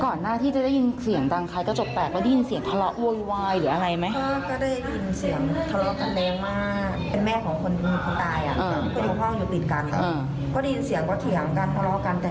ก่อนหน้าที่จะได้ยินเสียงดังใครก็จบแตก